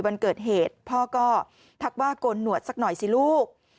วันเกิดเหตุพ่อก็ทักว่าโกนหนวดสักหน่อยสิลูก